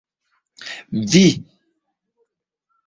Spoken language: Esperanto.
Vi!!!